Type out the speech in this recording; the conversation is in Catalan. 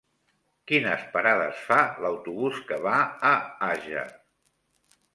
Quines parades fa l'autobús que va a Àger?